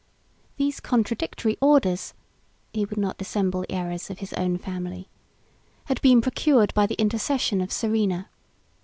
These contradictory orders (he would not dissemble the errors of his own family) had been procured by the intercession of Serena.